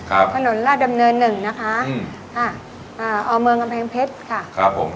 ครับถนนราชดำเนินหนึ่งนะคะอืมค่ะอ่าอเมืองกำแพงเพชรค่ะครับผม